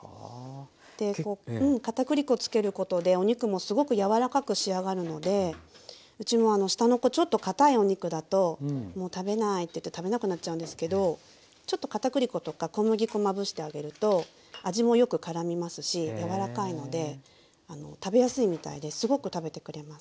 で片栗粉付けることでお肉もすごく柔らかく仕上がるのでうちも下の子ちょっとかたいお肉だともう食べないって言って食べなくなっちゃうんですけどちょっと片栗粉とか小麦粉まぶしてあげると味もよくからみますし柔らかいので食べやすいみたいですごく食べてくれます。